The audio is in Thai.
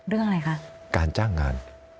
เรื่องอะไรคะ